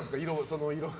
その色が。